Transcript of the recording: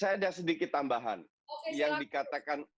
saya ada sedikit tambahan